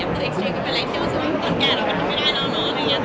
ขอบคุณภาษาให้ด้วยเนี่ย